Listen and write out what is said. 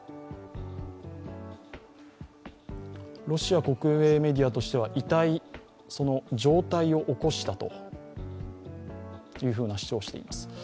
ロシア国営メディアとしては、遺体上体を起こしたとされています。